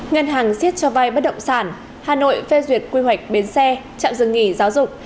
ngân hàng xiết cho vai bất động sản hà nội phê duyệt quy hoạch biến xe chạm dừng nghỉ giáo dục